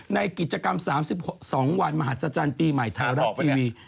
ในกิจกรรม๓๒วันมหัศจรรย์ปีใหม่ไทยรัฐทีวี